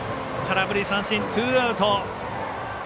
空振り三振、ツーアウト。